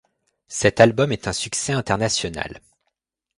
Cet album est un succès international.